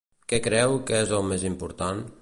Què creu que és el més important?